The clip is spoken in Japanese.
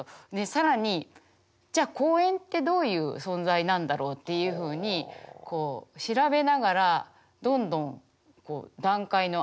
更にじゃあ公園ってどういう存在なんだろうっていうふうに確かにね。